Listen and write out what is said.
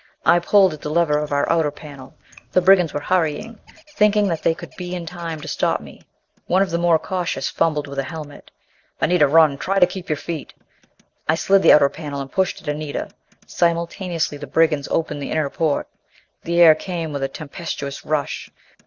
I pulled at the lever of the outer panel. The brigands were hurrying, thinking that they could be in time to stop me. One of the more cautious fumbled with a helmet. "Anita, run! Try and keep your feet." I slid the outer panel and pushed at Anita. Simultaneously the brigands opened the inner port. The air came with a tempestuous rush.